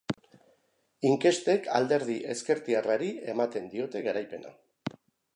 Inkestek alderdi ezkertiarrari ematen diote garaipena.